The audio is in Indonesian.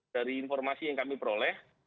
dari informasi yang kami peroleh